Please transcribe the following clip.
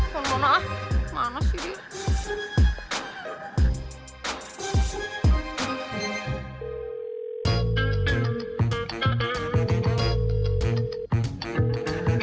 tunggu tunggu mana sih dia